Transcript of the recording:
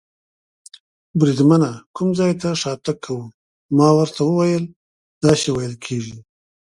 بریدمنه، کوم ځای ته شاتګ کوو؟ ما ورته وویل: داسې وېل کېږي.